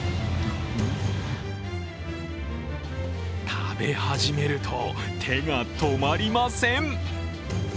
食べ始めると、手が止まりません。